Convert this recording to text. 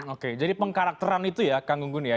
oke jadi pengkarakteran itu ya kang gunggun ya